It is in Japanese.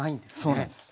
そうなんです。